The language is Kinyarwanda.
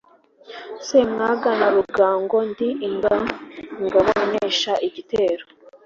Semwaga wa Rugango ndi ingabo inesha igitero